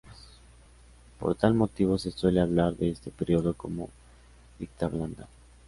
Por tal motivo se suele hablar de este periodo como ""dictablanda"".